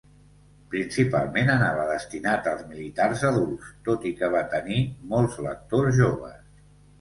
Principalment anava destinat als militars adults, tot i que va tenir molts lectors joves.